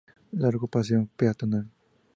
Largo paseo peatonal.